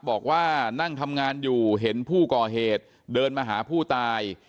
บอกว่านั่งทำงานอยู่เห็นผู้ก่อเหตุเดินมาหาผู้ตาย